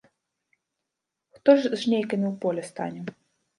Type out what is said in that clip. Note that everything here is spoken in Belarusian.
Хто з жнейкамі ў полі стане?